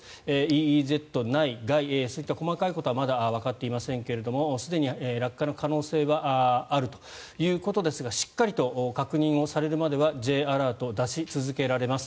ＥＥＺ内外そういった細かいことはまだわかっていませんけれどもすでに落下の可能性はあるということですがしっかりと確認をされるまではＪアラート、出し続けられます。